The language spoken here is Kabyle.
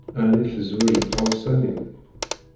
Ɛni tezweǧ tɣawsa-nni?